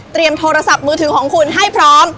โทรศัพท์มือถือของคุณให้พร้อม